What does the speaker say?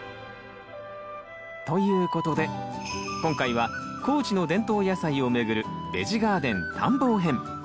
ということで今回は高知の伝統野菜を巡る「ベジ・ガーデン探訪編」。